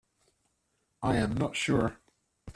I am not sure.